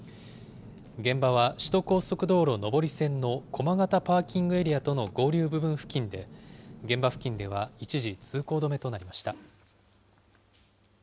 現場は首都高速道路上り線の駒形パーキングエリアとの合流部分付近で、現場付近では一時通行止めとなりました。